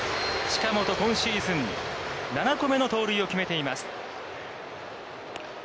近本今シーズン７個目の盗塁を決めています。